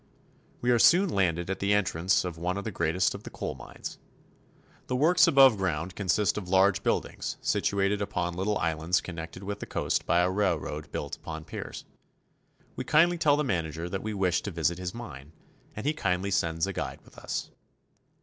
We are soon landed at the entrance to one of the great est of the coal mines. The works above ground consist of Entrance to a Cuai iViine. large buildings situated upon little islands connected with the coast by a railroad built upon piers. We tell the manager that we wish to visit his mine, and he kindly sends a guide with us.